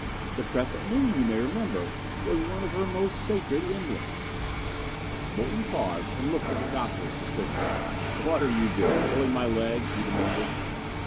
The crescent moon, you may remember, was one of her most sacred emblems." Bolton paused and looked at the Doctor suspiciously. "What are you doing pulling my leg?" he demanded.